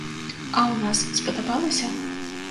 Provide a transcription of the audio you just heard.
А ў нас спадабалася?